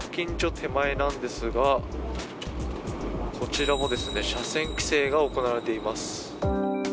手前なんですがこちらも車線規制が行われています。